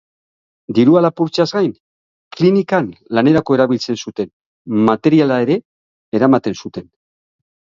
Dirua lapurtzeaz gain, klinikan lanerako erabiltzen zuten materiala ere eramaten zuten.